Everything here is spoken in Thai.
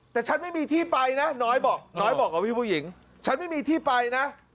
จ๊ะจ๊ะจ๊ะจ๊ะจ๊ะจ๊ะจ๊ะจ๊ะจ๊ะ